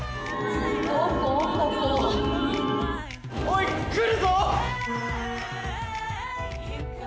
おい来るぞ！